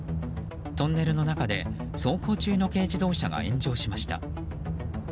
トンネルの中で走行中の軽自動車が炎上しました。